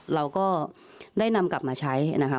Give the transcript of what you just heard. เราก็ได้นำกลับมาใช้นะคะ